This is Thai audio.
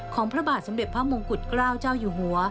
พระบาทสมเด็จพระมงกุฎเกล้าเจ้าอยู่หัว